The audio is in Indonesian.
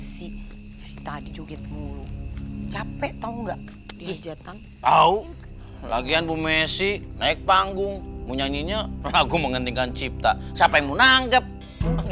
satu kita kagum berjarai kita rontok